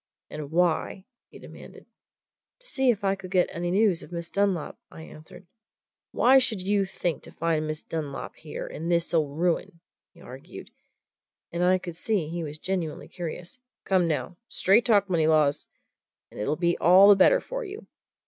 "And why?" he demanded. "To see if I could get any news of Miss Dunlop," I answered. "Why should you think to find Miss Dunlop here in this old ruin?" he argued; and I could see he was genuinely curious. "Come now straight talk, Moneylaws! and it'll be all the better for you."